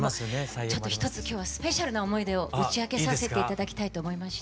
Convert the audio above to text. ちょっと１つ今日はスペシャルな思い出を打ち明けさせて頂きたいと思いまして。